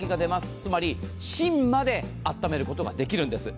つまり、芯まであっためることができるんです。